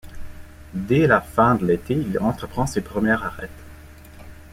Dès la fin de l'été, il entreprend ses premières Arêtes.